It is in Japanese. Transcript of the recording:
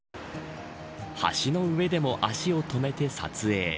橋の上でも足を止めて撮影。